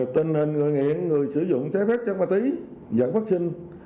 tình hình người nghiện người sử dụng trái phép chất ma túy dạng phát sinh